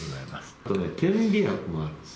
あと点鼻薬もあるんです。